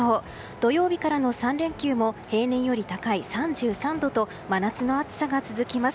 土曜日からの３連休も平年より高い３３度と真夏の暑さが続きます。